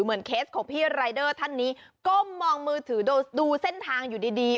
เคสของพี่รายเดอร์ท่านนี้ก้มมองมือถือดูเส้นทางอยู่ดีดี